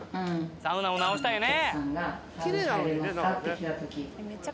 サウナも直したいね。